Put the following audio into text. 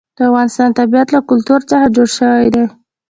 د افغانستان طبیعت له کلتور څخه جوړ شوی دی.